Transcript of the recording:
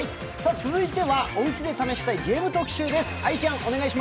続いてはおうちで試したいゲーム特集です。